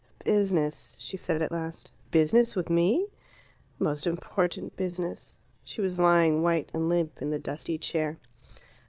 "Business " she said at last. "Business with me?" "Most important business." She was lying, white and limp, in the dusty chair.